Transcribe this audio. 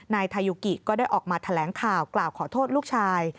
นายทายุกิก็ได้ออกมาแถลงข่าวกล่าวขอโทษลูกชาย